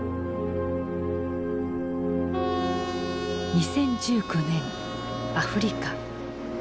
２０１９年アフリカ。